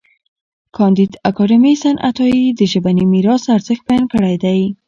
کانديد اکاډميسن عطايي د ژبني میراث ارزښت بیان کړی دی.